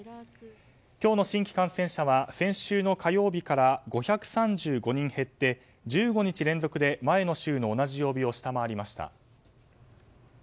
今日の新規感染者は先週の火曜日から５３５人減って１５日連続で前の週の同じ曜日を下回りました。